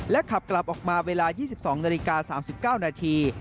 ขับกลับออกมาเวลา๒๒นาฬิกา๓๙นาที